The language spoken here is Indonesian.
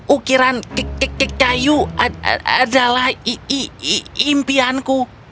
ukiran kayu adalah impianku